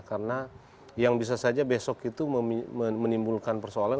karena yang bisa saja besok itu menimbulkan persoalan